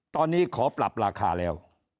ตอนนี้ขอปรับราคาแล้ว